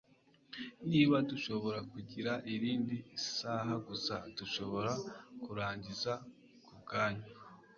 Niba dushobora kugira irindi saha gusa, dushobora kurangiza kubwanyu.